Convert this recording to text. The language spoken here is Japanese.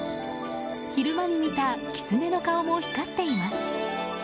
昼間に見たキツネの顔も光っています。